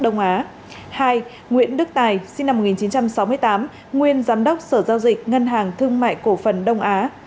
hai nguyễn đức tài sinh năm một nghìn chín trăm sáu mươi tám nguyên giám đốc sở giao dịch ngân hàng thương mại cổ phần đông á